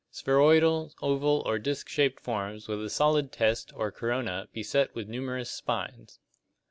Spheroidal, oval, or disc shaped forms with a solid test or corona beset with numerous spines.